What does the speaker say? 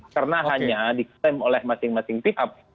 karena hanya diklaim oleh masing masing pihak